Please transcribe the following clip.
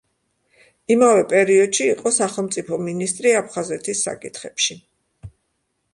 იმავე პერიოდში იყო სახელმწიფო მინისტრი აფხაზეთის საკითხებში.